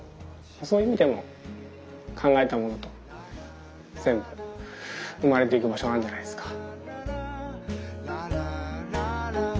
そういう意味でも考えたものと全部生まれていく場所なんじゃないですか。